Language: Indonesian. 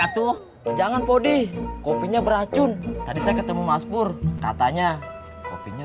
itu jangan podi kopinya beracun tadi saya ketemu mas bur katanya kopinya